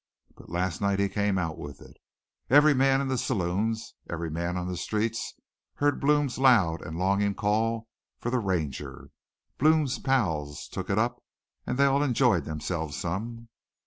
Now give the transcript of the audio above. But last night he came out with it. Every man in the saloons, every man on the streets heard Blome's loud an' longin' call for the Ranger. Blome's pals took it up and they all enjoyed themselves some."